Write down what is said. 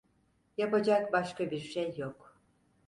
Yapacak başka bir şey yok.